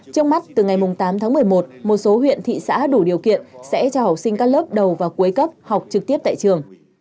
trước mắt từ ngày tám tháng một mươi một một số huyện thị xã đủ điều kiện sẽ cho học sinh các lớp đầu và cuối cấp học trực tiếp tại trường